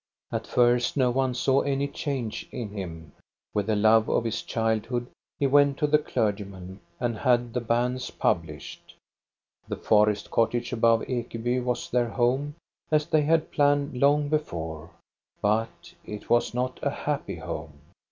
At first no one saw any change in him. With the love of his childhood he went to the clergyman and had the banns published. The forest cottage above Ekeby was their home, as they had planned long before ; but it was not a happy home.